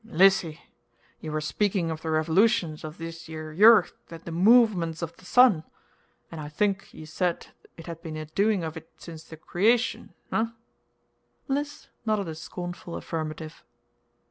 "Meelissy! ye were speaking of the revolutions of this yere yearth and the move MENTS of the sun, and I think ye said it had been a doing of it since the creashun, eh?" Mliss nodded a scornful affirmative.